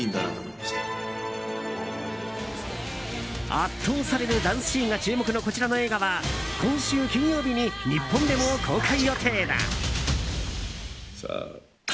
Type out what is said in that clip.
圧倒されるダンスシーンが注目のこちらの映画は今週金曜日に日本でも公開予定だ。